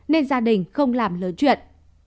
nên gia đình không làm lớn chuyện